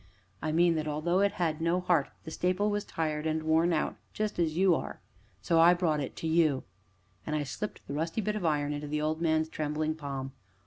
"I mean that, although it had no heart, the staple was tired and worn out just as you are, and so I brought it to you," and I slipped the rusty bit of iron into the old man's trembling palm.